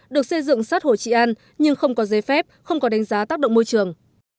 được xây dựng sát hồ trị an nhưng không có giấy phép không có đánh giá tác động môi trường